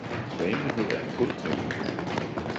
- renlighed er en god ting!